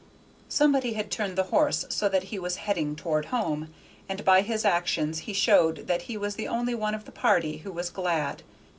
Somebody had turned the horse so that he was heading toward home, and by his actions he showed that he was the only one of the party who was glad.